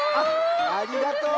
ありがとう。